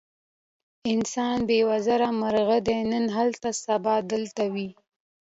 انسان بې وزرو مرغه دی، نن دلته سبا هلته وي.